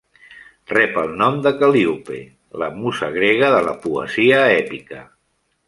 Rep el nom de Cal·líope, la musa grega de la poesia èpica.